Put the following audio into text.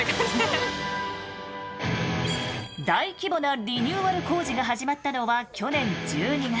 大規模なリニューアル工事が始まったのは去年１２月。